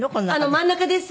真ん中です。